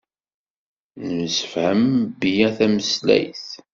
Nemsefham mebla tameslayt